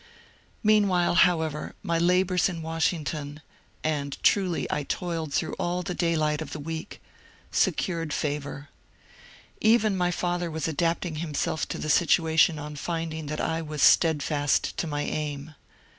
Meanwhile, however, my labours in Washington — and truly I toiled through all the daylight of the week — secured favour. Even my father was adapting himself to the situation on finding that I was steadfast to my aim.